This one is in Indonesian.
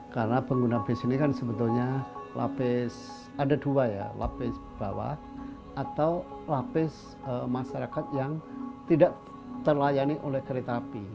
karena pengguna bis ini kan sebetulnya lapis ada dua ya lapis bawah atau lapis masyarakat yang tidak terlayani oleh kereta api